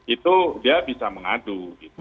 itu dia bisa mengadu